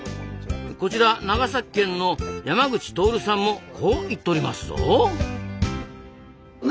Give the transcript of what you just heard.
こちら長崎県の山口徹さんもこう言っておりますぞ。